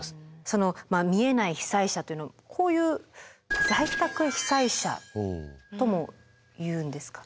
その見えない被災者というのはこういう在宅被災者ともいうんですか。